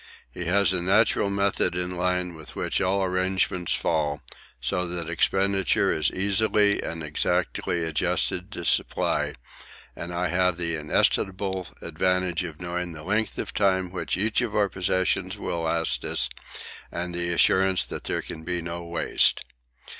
He has a natural method in line with which all arrangements fall, so that expenditure is easily and exactly adjusted to supply, and I have the inestimable advantage of knowing the length of time which each of our possessions will last us and the assurance that there can be no waste.